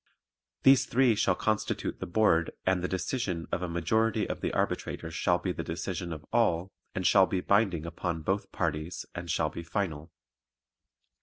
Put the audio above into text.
These three shall constitute the Board and the decision of a majority of the arbitrators shall be the decision of all and shall be binding upon both parties and shall be final.